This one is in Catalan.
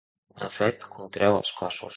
El fred contreu els cossos.